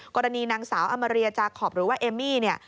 กรณีนางสาวอมรียาจาคอบหรือว่าเอมมี่